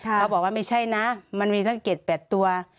เขาบอกว่าไม่ใช่นะมันมีทั้ง๗๘ตัว